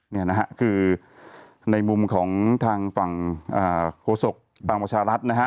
นี่คือในมุมของทางฝั่งโฆษกภรรงประชารัฐนะฮะ